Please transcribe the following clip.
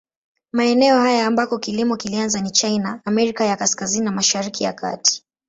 Maeneo haya ambako kilimo kilianza ni China, Amerika ya Kaskazini na Mashariki ya Kati.